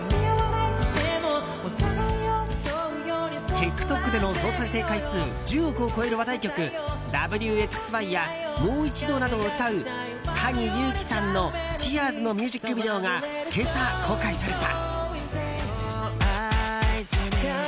ＴｉｋＴｏｋでの総再生回数１０億を超える話題曲「Ｗ／Ｘ／Ｙ」や「もう一度」などを歌うＴａｎｉＹｕｕｋｉさんの「Ｃｈｅｅｒｓ」のミュージックビデオが今朝、公開された。